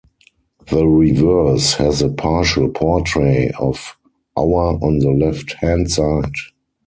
The reverse has a partial portrait of Auer on the left hand side.